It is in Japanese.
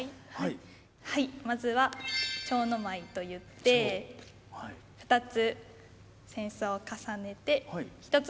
はいまずは蝶の舞といって２つ扇子を重ねて一つの手で持ちます。